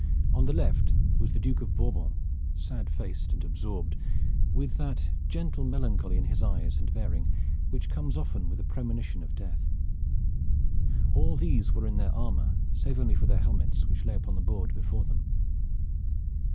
On the left was the Duke of Bourbon, sad faced and absorbed, with that gentle melancholy in his eyes and bearing which comes often with the premonition of death. All these were in their armor, save only for their helmets, which lay upon the board before them.